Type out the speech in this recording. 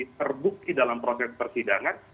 terbukti dalam proses persidangan